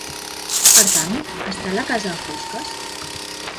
Per tant, està la casa a fosques?